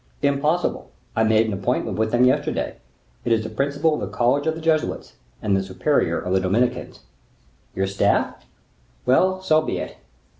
"Impossible; I made an appointment with them yesterday; it is the principal of the college of the Jesuits, and the superior of the Dominicans." "Your staff? Well, so be it."